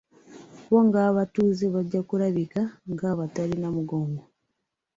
Bo ng'abakulembeze bajja kulabika ng'abatalina mugongo.